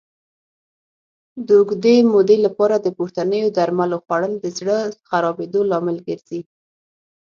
د اوږدې مودې لپاره د پورتنیو درملو خوړل د زړه خرابېدو لامل ګرځي.